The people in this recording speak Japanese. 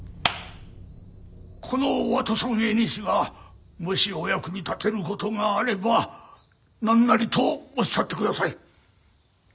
このワトソン江西がもしお役に立てる事があればなんなりとおっしゃってください。